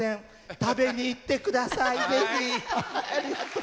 食べに行ってください、ぜひ。